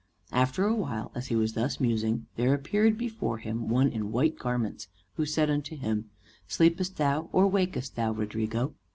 After a while, as he was thus musing, there appeared before him one in white garments, who said unto him, "Sleepest thou or wakest thou, Rodrigo?"